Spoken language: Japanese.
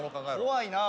怖いな。